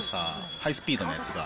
ハイスピードのやつが。